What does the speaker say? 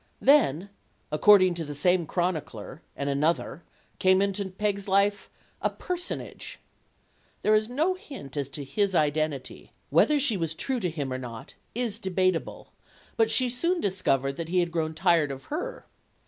Then, according to the same chronicler and another, came into Peg's life "a personage. There is no hint as to his identity. Whether she was true to him or not is debatable. But she soon discovered that he had grown tired of her.